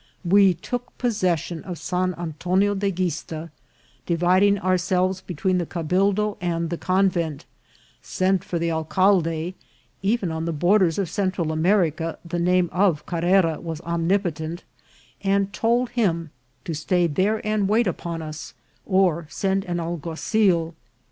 We took possession of San Antonio de Guista, dividing ourselves between the cabildo and the convent, sent for the alcalde (even on the borders of Central America the name of Carrera was omnipotent), and told him to stay there and wait upon us, or send an alguazil.